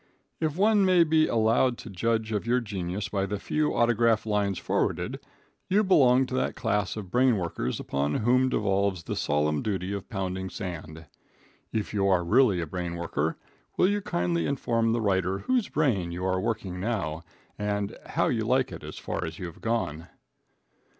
If one may be allowed to judge of your genius by the few autograph lines forwarded, you belong to that class of brain workers upon whom devolves the solemn duty of pounding sand. If you are really a brain worker, will you kindly inform the writer whose brain you are working now, and how you like it as far as you have gone?